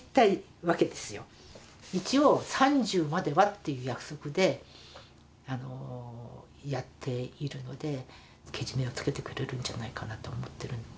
一応３０まではという約束でやっているのでけじめをつけてくれるんじゃないかなと思ってる。